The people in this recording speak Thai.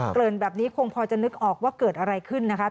ริ่นแบบนี้คงพอจะนึกออกว่าเกิดอะไรขึ้นนะคะ